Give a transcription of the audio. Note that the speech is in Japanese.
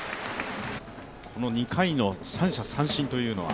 この２回の三者三振というのは？